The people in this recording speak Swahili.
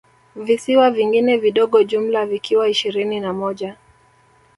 Visiwa vingine vidogo jumla vikiwa ishirini na moja